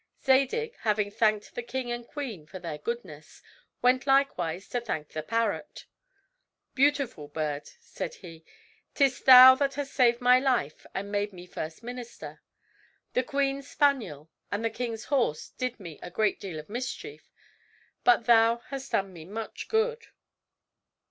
Zadig, having thanked the king and queen for their goodness, went likewise to thank the parrot. "Beautiful bird," said he, "'tis thou that hast saved my life and made me first minister. The queen's spaniel and the king's horse did me a great deal of mischief; but thou hast done me much good.